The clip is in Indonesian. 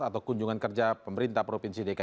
atau kunjungan kerja pemerintah provinsi dki jakarta